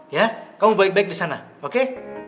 ya kamu baik baik di sana oke